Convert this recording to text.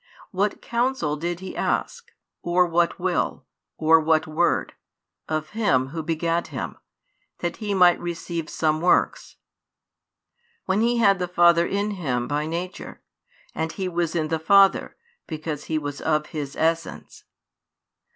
What counsel did He ask, or what will, or what word, of Him Who begat Him, that He might receive some works, when He had the Father in Him by Nature, and He was in the Father, because He was of His Essence?